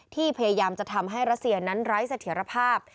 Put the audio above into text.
พยายามจะทำให้รัสเซียนั้นไร้เสถียรภาพ